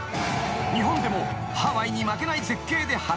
［日本でもハワイに負けない絶景で働ける場所が］